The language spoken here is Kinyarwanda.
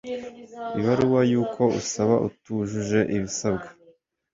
ibaruwa y uko usaba atujuje ibisabwa